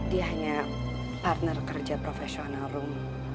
dia hanya partner kerja profesional room